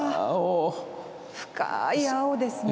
深い青ですね。